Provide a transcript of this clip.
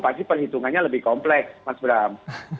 pasti perhitungannya lebih kompleks mas bram